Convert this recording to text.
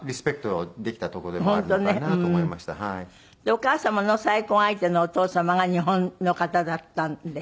お母様の再婚相手のお父様が日本の方だったんで。